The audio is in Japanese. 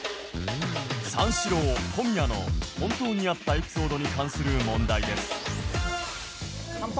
三四郎・小宮の本当にあったエピソードに関する問題です乾杯！